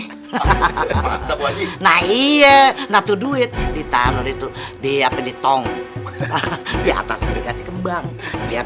hahaha nah iya nah tuh duit ditaruh itu dia pedi tong hahaha si atas dikasih kembang biar